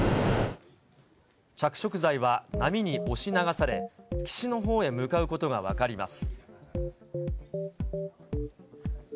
着色剤は波に押し流され、岸のほうへ向かうことが分かります。